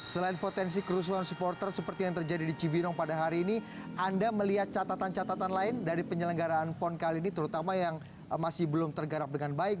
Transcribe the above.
selain potensi kerusuhan supporter seperti yang terjadi di cibinong pada hari ini anda melihat catatan catatan lain dari penyelenggaraan pon kali ini terutama yang masih belum tergarap dengan baik